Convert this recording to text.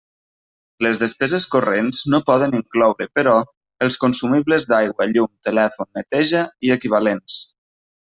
Les despeses corrents no poden incloure, però, els consumibles d'aigua, llum, telèfon, neteja i equivalents.